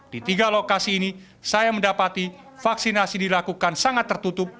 di tiga lokasi ini saya mendapati vaksinasi dilakukan sangat tertutup